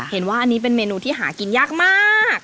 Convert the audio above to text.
เห็นว่าอันนี้เป็นเมนูที่หากินยากมาก